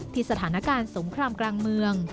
สถานการณ์สงครามกลางเมือง